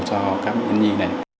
cho các bệnh nhân nhi này